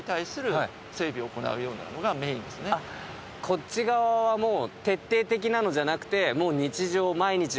こっち側はもう徹底的なのじゃなくて日常。